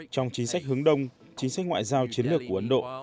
trong chính sách hướng đông chính sách ngoại giao chiến lược của ấn độ